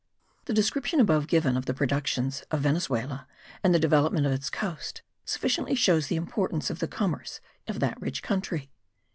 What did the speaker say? The description above given of the productions of Venezuela and the development of its coast sufficiently shows the importance of the commerce of that rich country.